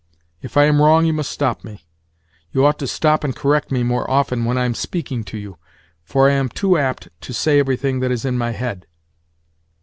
If I am wrong you must stop me. You ought to stop and correct me more often when I am speaking to you, for I am too apt to say everything that is in my head.